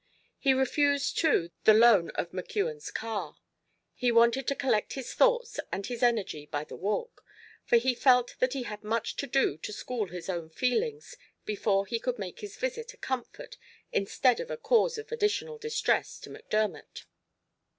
He refused, too, the loan of McKeon's car. He wanted to collect his thoughts and his energy by the walk, for he felt that he had much to do to school his own feelings before he could make his visit a comfort instead of a cause of additional distress to Macdermot.